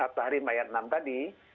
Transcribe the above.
tahrim ayat enam tadi